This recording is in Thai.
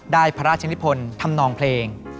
พระราชนิพลทำนองเพลง